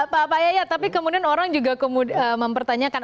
pak yayat tapi kemudian orang juga mempertanyakan